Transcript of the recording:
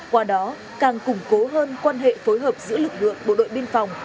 qua đó càng củng cố hơn quan hệ phối hợp giữa lực lượng bộ đội biên phòng